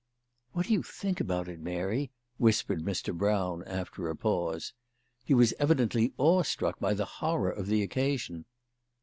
" What do you think about it, Mary ?" whispered Mr. Brown, after a pause. He was evidently awe struck by the horror of the occasion.